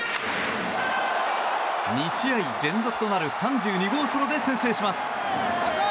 ２試合連続となる３２号ソロで先制します。